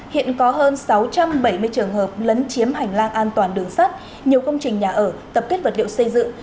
hiện có hơn sáu trăm bảy mươi trường hợp lấn chiếm hành lang an toàn đường sắt nhiều công trình nhà ở tập kết vật liệu xây dựng